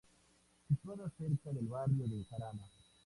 Situada cerca del Barrio de Jarana.